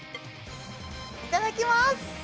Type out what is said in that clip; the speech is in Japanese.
いただきます！